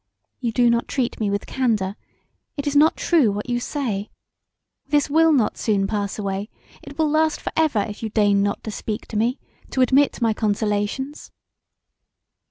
You do not treat me with candour; it is not true what you say; this will not soon pass away, it will last forever if you deign not to speak to me; to admit my consolations.